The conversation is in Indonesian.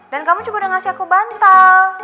dan kamu juga udah ngasih aku bantal